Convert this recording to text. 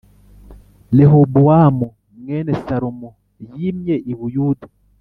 Rehobowamu mwene Salomo yimye i Buyuda